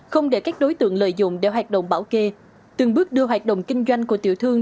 không để các đối tượng lợi dụng đeo hoạt động bảo kê từng bước đưa hoạt động kinh doanh của tiểu thương